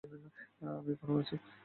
আমি এখনো আছি।